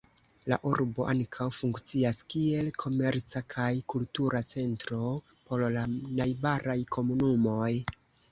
La urbo ankaŭ funkcias kiel komerca kaj kultura centro por la najbaraj komunumoj.